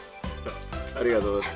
ありがとうございます。